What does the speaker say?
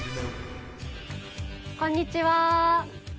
こんにちは。